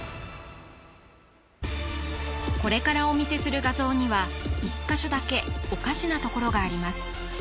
これからお見せする画像には１カ所だけおかしなところがあります